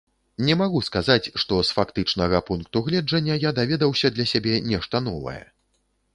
Не магу сказаць, што з фактычнага пункту гледжання я даведаўся для сябе нешта новае.